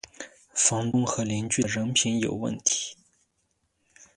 房东和邻居的人品有问题